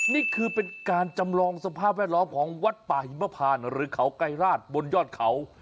นี่คือเป็นการจำลองสภาพแวดล้อมของวัดป่าหิมพานหรือเขาไกรราชบนยอดเขา